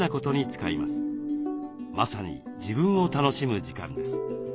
まさに自分を楽しむ時間です。